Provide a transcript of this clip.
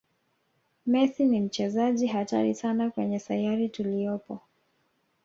messi ni mchezaji hatari sana kwenye sayari tuliyopo